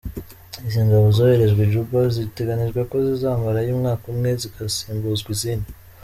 Izi ngabo zoherejwe i Juba bitegenijwe ko zizamarayo umwaka umwe zigasimbuzwa izindi.